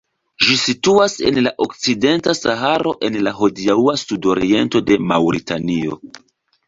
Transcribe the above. Ĝi situas en la okcidenta Saharo en la hodiaŭa sudoriento de Maŭritanio.